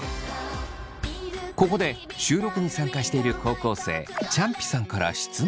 ここで収録に参加している高校生ちゃんぴさんから質問が。